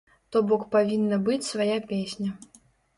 То бок павінна быць свая песня.